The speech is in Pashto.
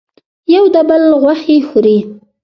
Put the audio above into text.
یو د بل غوښې خوري.